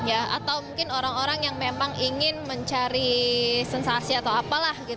atau mungkin orang orang yang memang ingin mencari sensasi atau apalah